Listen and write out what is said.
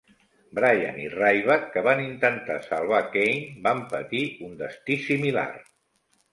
Bryan i Ryback, que van intentar salvar Kane, van patir un destí similar.